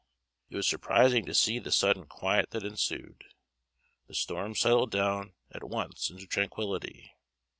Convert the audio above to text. It was surprising to see the sudden quiet that ensued. The storm settled down at once into tranquillity.